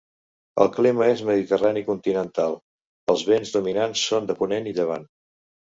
El clima és mediterrani continental; els vents dominants són de ponent i llevant.